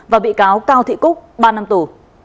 và bị cáo cao thị cúc ba năm tù